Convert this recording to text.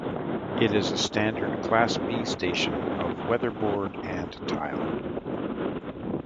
It is a standard class B station, of weatherboard and tile.